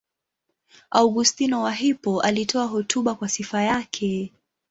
Augustino wa Hippo alitoa hotuba kwa sifa yake.